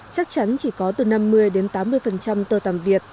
chắc chắn chỉ có từ năm mươi đến tám mươi tơ tài